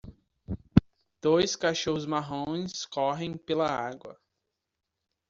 Dois cachorros marrons correm pela água.